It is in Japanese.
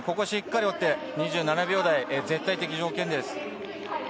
しっかり追って２７秒台、絶対的条件です。